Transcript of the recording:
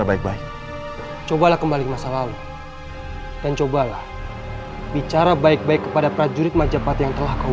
apa kamu yang kemarin mengukuhkan perjanjian dengan kami